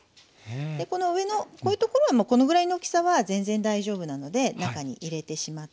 でこの上のこういうところはこのぐらいの大きさは全然大丈夫なので中に入れてしまって平気です。